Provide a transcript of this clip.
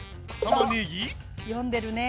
読んでるね。